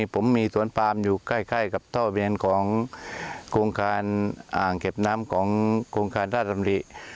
ผมมีสวนปามอยู่ใกล้กับท่อเวียนของโครงการอ่างเก็บน้ำของโครงการราชดำริ